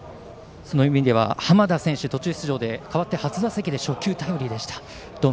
そういう意味では濱田選手が代わって初打席で初球タイムリーでした。